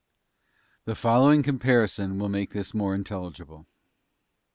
The following comparison will make this more intelligible.